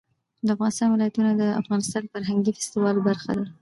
د افغانستان ولايتونه د افغانستان د فرهنګي فستیوالونو برخه ده.